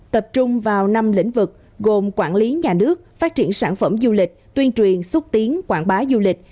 tập trung vào năm lĩnh vực gồm quản lý nhà nước phát triển sản phẩm du lịch tuyên truyền xúc tiến quảng bá du lịch